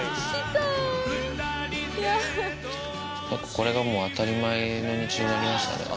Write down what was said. これがもう当たり前の日常になりましたね。